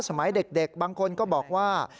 สมัยเด็กบางคนก็บอกว่า